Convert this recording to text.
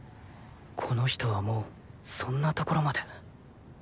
この人はもうそんなところまで